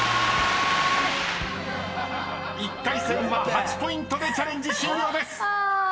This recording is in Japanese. ［１回戦は８ポイントでチャレンジ終了です］